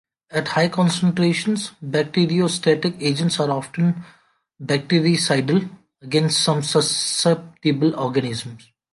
At high concentrations, bacteriostatic agents are often bactericidal against some susceptible organisms.